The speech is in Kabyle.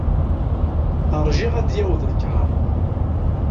Rjiɣ ad d-yaweḍ lkar.